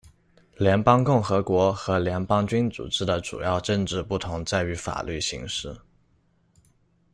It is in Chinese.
联邦共和国和联邦君主制的主要政治不同在于法律形式。